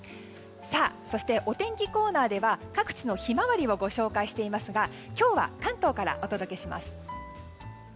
そして、お天気コーナーでは各地のヒマワリをご紹介していますが今日は関東からお届けします。